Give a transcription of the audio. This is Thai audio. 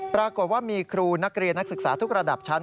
ปรากฏว่ามีครูนักเรียนนักศึกษาทุกระดับชั้น